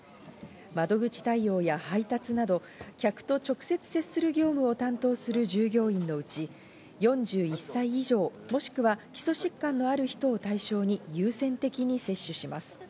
窓口対応や配達など客と直接、接する業務を担当する従業員のうち、４１歳以上、もしくは基礎疾患のある人を対象に優先的に接種します。